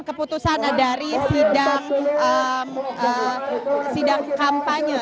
keputusan dari sidang kampanye